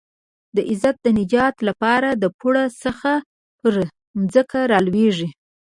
د عزت د نجات لپاره له پوړ څخه پر ځمکه رالوېږي.